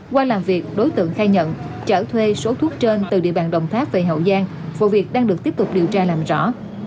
qua làm việc đối tượng khai nhận chở thuê số thuốc trên từ địa bàn đồng tháp về hậu giang vụ việc đang được tiếp tục điều tra làm rõ